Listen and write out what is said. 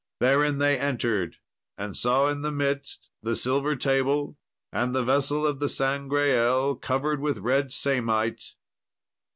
Therein they entered, and saw in the midst the silver table and the vessel of the Sangreal, covered with red samite.